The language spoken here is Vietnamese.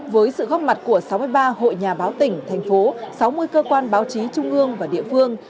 với sự góp mặt của sáu mươi ba hội nhà báo tỉnh thành phố sáu mươi cơ quan báo chí trung ương và địa phương